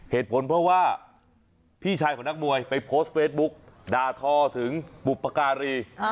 เหตุผลเพราะว่าพี่ชายของนักมวยไปโพสต์เฟซบุ๊กด่าทอถึงบุปการี